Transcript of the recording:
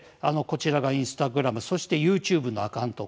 こちらがインスタグラムそしてＹｏｕＴｕｂｅのアカウント